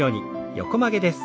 横曲げです。